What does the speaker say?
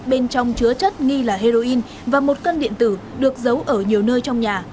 bên trong chứa chất nghi là heroin và một cân điện tử được giấu ở nhiều nơi trong nhà